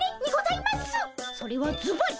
それはずばり！